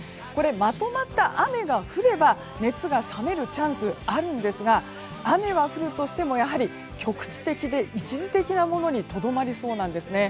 まとまった雨が降れば熱が冷めるチャンスがあるんですが雨は降るとしても、局地的で一時的なものにとどまりそうなんです。